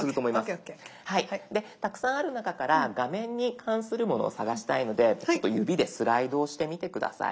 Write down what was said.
たくさんある中から画面に関するものを探したいので指でスライドをしてみて下さい。